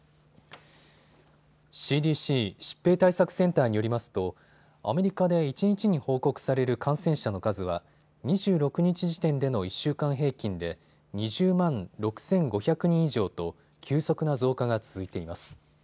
ＣＤＣ・疾病対策センターによりますとアメリカで一日に報告される感染者の数は２６日時点での１週間平均で２０万６５００人以上と急速な増加が続いています。